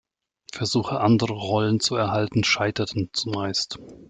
Versuche, andere Rollen zu erhalten, scheiterten zumeist.